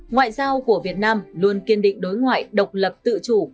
ngoại giao của việt nam luôn kiên định đối ngoại độc lập tự chủ